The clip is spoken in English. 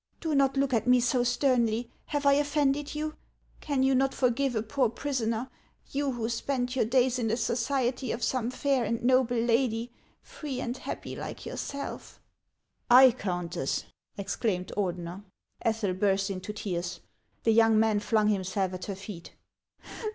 Do not look at me so sternly; have I offended you ? Can you not forgive a poor pris oner, — you who spend your days in the society of some fair and noble lady, free and happy like yourself ?"" 1, Countess !" exclaimed Ordener. Ethel burst into tears ; the young man flung himself at her feet.